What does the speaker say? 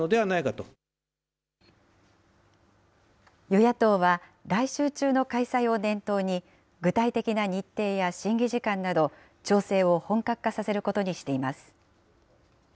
与野党は、来週中の開催を念頭に、具体的な日程や審議時間など、調整を本格化させることにしています。